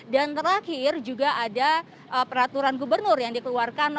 dan terakhir juga ada peraturan gubernur yang dikeluarkan